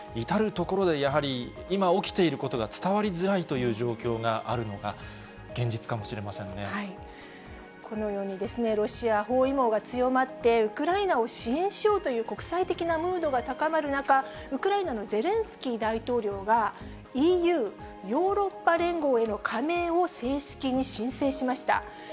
至る所でやはり、今起きていることが伝わりづらいという状況があるのが現実かもしこのように、ロシア包囲網が強まって、ウクライナを支援しようという国際的なムードが高まる中、ウクライナのゼレンスキー大統領が、ＥＵ・ヨーロッパ連合への加盟を正式に申請しました。